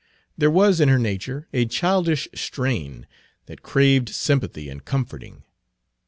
There was in her nature a childish strain that craved sympathy and comforting.